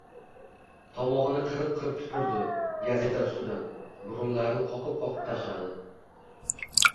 Tomog‘ini qirib-qirib tupurdi. Gazeta ustidan... burunlarini qoqib-qoqib tashladi.